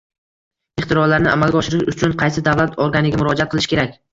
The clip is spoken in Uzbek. Ixtirolarni amalga oshirish uchun qaysi davlat organiga murojaat qilish kerak